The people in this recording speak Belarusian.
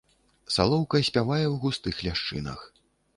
Салоўка спявае ў густых ляшчынах.